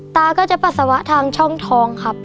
ตาก็จะปัสสาวะทางช่องทองครับ